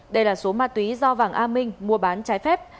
đây là số ma túy do vàng a minh mua bán trái phép